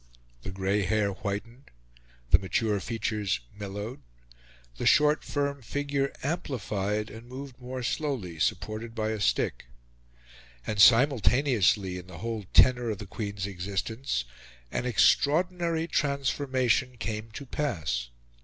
The grey hair whitened; the mature features mellowed; the short firm figure amplified and moved more slowly, supported by a stick. And, simultaneously, in the whole tenour of the Queen's existence an extraordinary transformation came to pass.